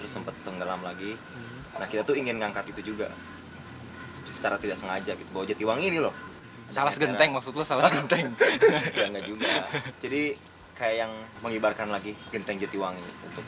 sudah mengenal genting jatiwangi